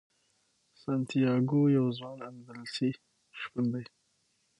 سانتیاګو یو ځوان اندلسي شپون دی.